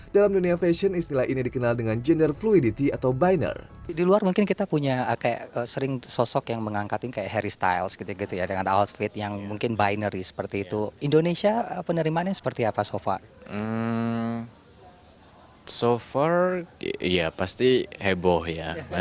dalam dunia fashion istilah ini dikenal dengan gender fluidity atau binary